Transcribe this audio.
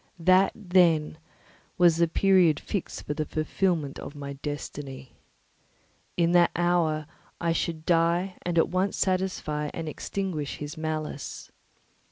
_" That, then, was the period fixed for the fulfilment of my destiny. In that hour I should die and at once satisfy and extinguish his malice.